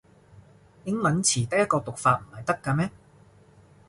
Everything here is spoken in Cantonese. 英文詞得一個讀法唔係得咖咩